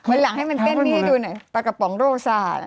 มันหลังให้มันเต้นนี้ดูหน่อยพระกระป๋องโรซาร่าน